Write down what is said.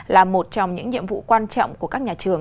là một trong những nhiệm vụ quan trọng của các nhà trường